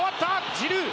ジルー。